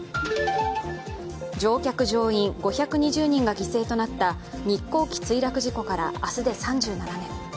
乗客・乗員５２０人が犠牲となった日航機墜落事故から明日で３７年。